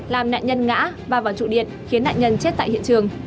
làm nạn nhân ngã ba vào trụ điện khiến nạn nhân chết tại hiện trường